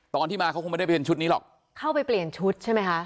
ตอนที่มาเขาคงไม่ได้เป็นชุดนี้หรอกเข้าไปเปลี่ยนชุดใช่ไหมคะ